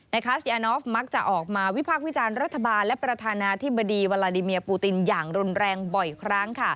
คัสยานอฟมักจะออกมาวิพากษ์วิจารณ์รัฐบาลและประธานาธิบดีวาลาดิเมียปูตินอย่างรุนแรงบ่อยครั้ง